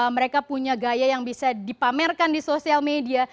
mereka punya gaya yang bisa dipamerkan di sosial media